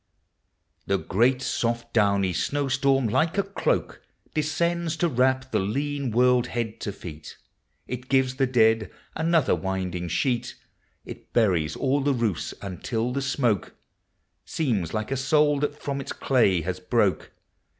The great soft downy snow storm like a cloak Descends to wrap the lean world head to feet; It gives the dead another winding sheet, It buries all the roofs until the smoke Seems like a soul that from its clay has broke.